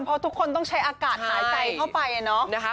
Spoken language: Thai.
เพราะทุกคนต้องใช้อากาศหายใจเท่าไป